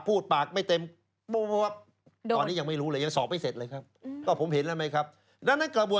พูดปากไม่เต็มตอนนี้ยังไม่รู้เลยยังสอบไม่เสร็จเลยครับก็ผมเห็นแล้วไหมครับดังนั้นกระบวน